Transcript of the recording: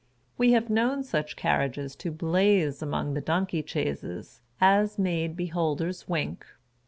We have known such car riages to blaze among the donkey chaises, as made beholders wink.